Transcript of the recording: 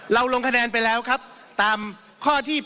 ลงคะแนนไปแล้วครับตามข้อที่๘